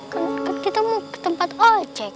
kan kan kita mau ke tempat ocek